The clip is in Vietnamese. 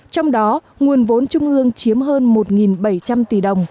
trong đó nguồn vốn trung ương chiếm hơn một bảy trăm linh tỷ đồng